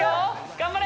頑張れ！